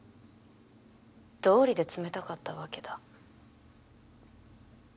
どうりで冷たかったわけだ。